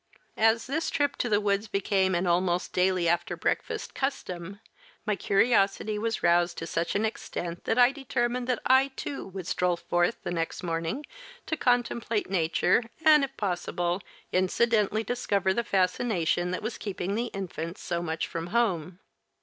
As this trip to the woods became an almost daily after breakfast custom my curiosity was roused to such an extent that I determined that I, too, would stroll forth the next morning to contemplate nature, and if possible, incidentally discover the fascination that was keeping the infants so much from home.